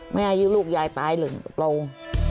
ไม่ให้ลูกยายตายเลยโปร่ง